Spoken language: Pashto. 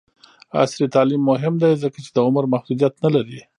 عصري تعلیم مهم دی ځکه چې د عمر محدودیت نه لري.